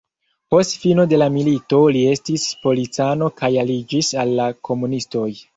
Post fino de la milito li estis policano kaj aliĝis al la komunistoj.